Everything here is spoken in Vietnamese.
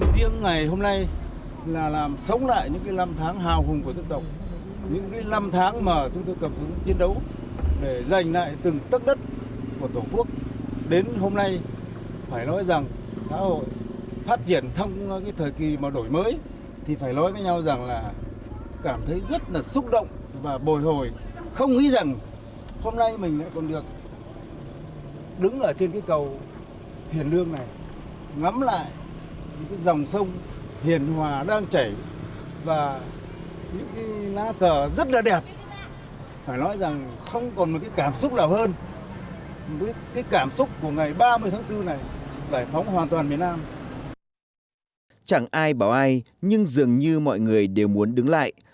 chẳng ai bảo ai nhưng dường như mọi người đều muốn đứng lại